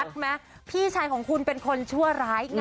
ไหมพี่ชายของคุณเป็นคนชั่วร้ายไง